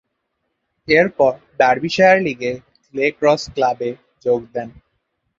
এরপর ডার্বিশায়ার লীগে clay cross ক্লাবে যোগ দেন।